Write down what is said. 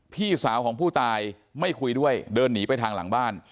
พี่สาวของผู้ตายไม่คุยด้วยเดินหนีไปทางหลังบ้าน